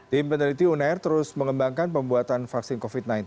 tim peneliti unair terus mengembangkan pembuatan vaksin covid sembilan belas